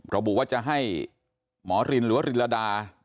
ระบุว่าจะให้หมอรินหรือว่ารินระดา